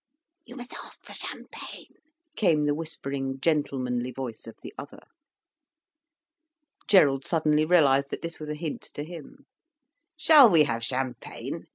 "You must ask for champagne," came the whispering, gentlemanly voice of the other. Gerald suddenly realised that this was a hint to him. "Shall we have champagne?"